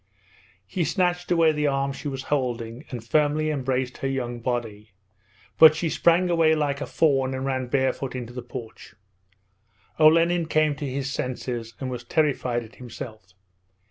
He snatched away the arm she was holding and firmly embraced her young body, but she sprang away like a fawn and ran barefoot into the porch: Olenin came to his senses and was terrified at himself.